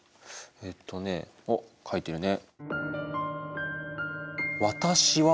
えっとねあっ書いてるね。